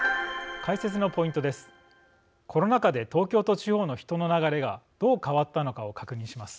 解説のポイントです。